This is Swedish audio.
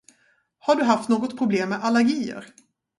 Har du haft något problem med allergier?